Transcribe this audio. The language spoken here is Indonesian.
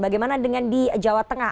bagaimana dengan di jawa tengah